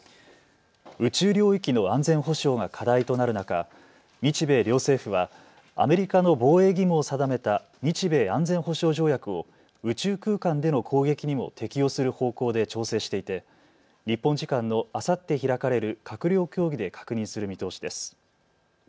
宇宙領域の安全保障が課題となる中、日米両政府はアメリカの防衛義務を定めた日米安全保障条約を宇宙空間での攻撃にも適用する方向で調整していて日本時間のあさって開かれる閣僚協議で確認する見通しです。